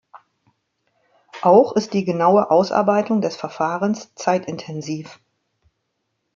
Auch ist die genaue Ausarbeitung des Verfahrens zeitintensiv.